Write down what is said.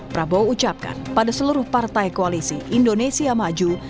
prabowo ucapkan pada seluruh partai koalisi indonesia maju